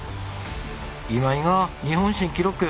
今井が日本新記録。